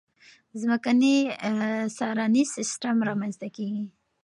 ځمکنی څارنیز سیستم رامنځته کېږي.